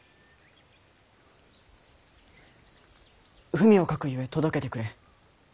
文を書くゆえ届けてくれ。